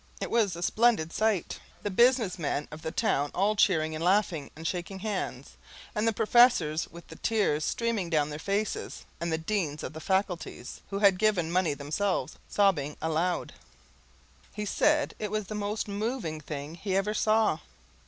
It was a splendid sight, the business men of the town all cheering and laughing and shaking hands, and the professors with the tears streaming down their faces, and the Deans of the Faculties, who had given money themselves, sobbing aloud. He said it was the most moving thing he ever saw.